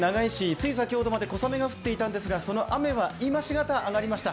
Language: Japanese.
つい先ほどまで小雨が降っていたんですが、その雨は今し方上がりました。